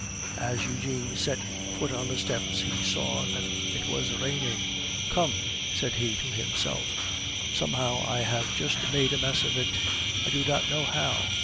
As Eugene set foot on the steps, he saw that it was raining. "Come," said he to himself, "somehow I have just made a mess of it, I do not know how.